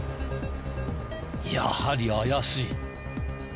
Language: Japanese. やはり怪しい。